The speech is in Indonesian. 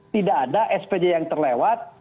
tidak ada spj yang terlewat